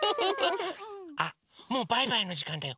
あもうバイバイのじかんだよ！